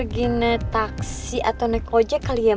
kita harus nyusul dia